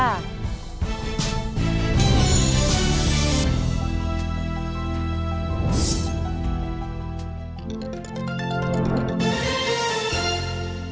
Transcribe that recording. สวัสดีครับ